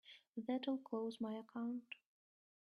That'll close my account.